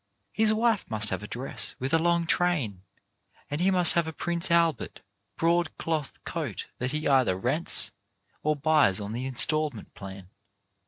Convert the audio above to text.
His wife must have a dress with a long train, and he must have a Prince Albert, broadcloth coat that he either rents, or buys on the instalment plan.